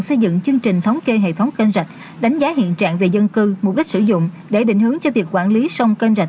đề ra chương trình thống kê hệ thống kênh rạch định hướng cho việc quản lý sông kênh rạch